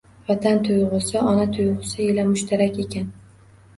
Vatan tuyg‘usi ona tuyg‘usi ila mushtarak ekan